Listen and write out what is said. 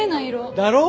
だろ？